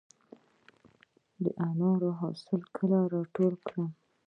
د انارو حاصل کله ټول کړم؟